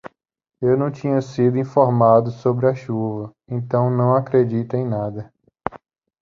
Eu não tinha sido informado sobre a chuva, então não acredito em nada.